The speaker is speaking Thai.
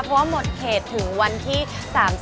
เพราะมดเขตถึงวันที่๓๑ธันวาคมนะคะ